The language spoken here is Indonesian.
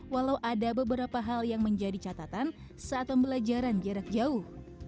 walau ada beberapa hal yang menjadi catatan saat pembelajaran jarak jauh